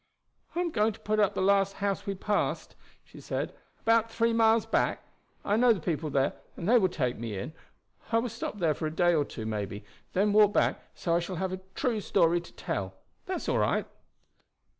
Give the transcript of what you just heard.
"I am going to put up at the last house we passed," she said, "about three miles back. I know the people there, and they will take me in. I will stop there for a day or two, maybe, then walk back, so I shall have a true story to tell. That's all right."